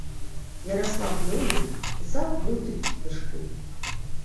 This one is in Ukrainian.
Ярослав Мудрий писав мудрі книжки